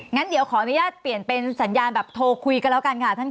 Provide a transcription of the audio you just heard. งั้นเดี๋ยวขออนุญาตเปลี่ยนเป็นสัญญาณแบบโทรคุยกันแล้วกันค่ะท่านค่ะ